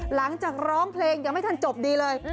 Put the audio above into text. หลังจากร้องเพลงยังไม่ทันจบดีเลย